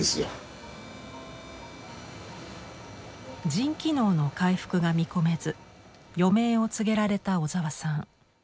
腎機能の回復が見込めず余命を告げられた小沢さん。